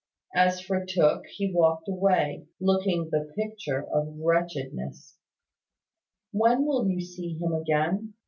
As for Tooke, he walked away, looking the picture of wretchedness. "When will you see him again?"